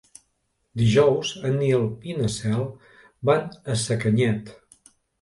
Dijous en Nil i na Cel van a Sacanyet.